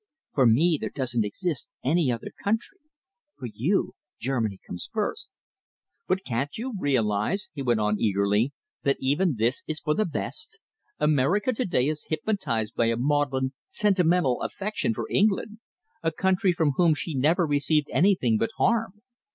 For me there doesn't exist any other country. For you Germany comes first." "But can't you realise," he went on eagerly, "that even this is for the best? America to day is hypnotised by a maudlin, sentimental affection for England, a country from whom she never received anything but harm.